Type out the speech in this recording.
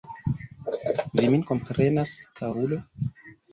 Vi min komprenas, karulo?